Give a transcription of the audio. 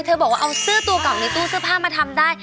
บอกว่าเอาเสื้อตัวเก่าในตู้เสื้อผ้ามาทำได้